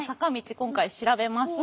今回調べました。